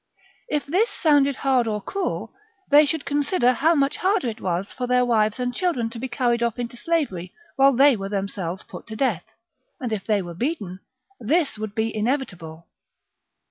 If this sounded hard or cruel, they should consider how much harder it was for their wives and children to be carried off into slavery while they were themselves put to death ; and if they were beaten, this would be inevitable.